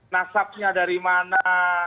nasabnya dari mana